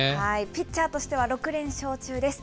ピッチャーとしては６連勝中です。